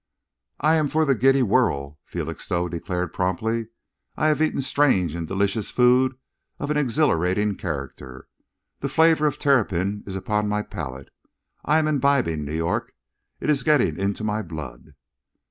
"I am for the giddy whirl," Felixstowe declared promptly. "I have eaten strange and delicious food of an exhilarating character. The flavour of terrapin is upon my palate. I am imbibing New York. It is getting into my blood."